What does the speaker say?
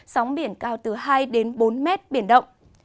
sóng biển cao từ hai đến bốn mét biển động